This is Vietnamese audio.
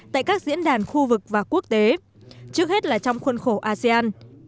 tại các diễn đàn khu vực và quốc tế trước hết là trong khuôn khổ asean